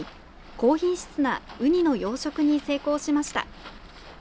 高品質なウニの養殖に成功しました。